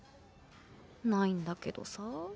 ないんだけどさ。